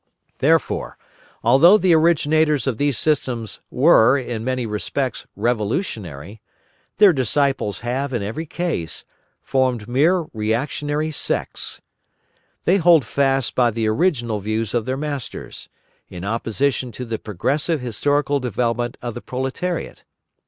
Therefore, although the originators of these systems were, in many respects, revolutionary, their disciples have, in every case, formed mere reactionary sects. They hold fast by the original views of their masters, in opposition to the progressive historical development of the proletariat.